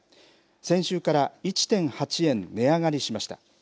先週から１．８円値上がりしました。